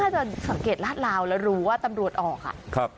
น่าจะสังเกตรหลาดลาวแล้วรู้ว่าตำรวจออก